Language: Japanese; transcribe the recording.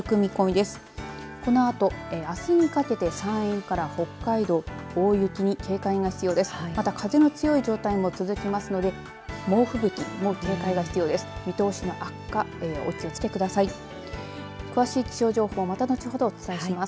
また風の強い状態も続きますので猛吹雪も警戒が必要です。